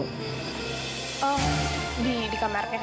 oh di kamarnya kan ya